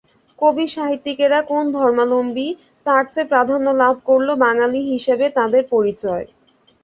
কবি-সাহিত্যিকেরা কোন ধর্মাবলম্বী, তার চেয়ে প্রাধান্য লাভ করল বাঙালি হিসেবে তাঁদের পরিচয়।